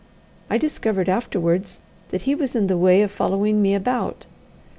I discovered afterwards that he was in the way of following me about.